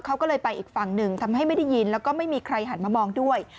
เขาก็เลยไปอีกฝั่งหนึ่งทำให้ไม่ได้ยินแล้วก็ไม่มีใครหันมามองด้วย